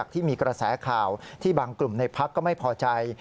ที่มีกระแสข่าวที่บางกลุ่มในพักก็ไม่พอใจ